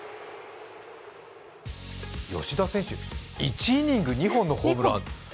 吉田選手１イニング２本のホームラン。